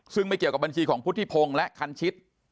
ซึ่งไม่เกี่ยวกับบัญชีของพุทธิพงศ์และคันชิต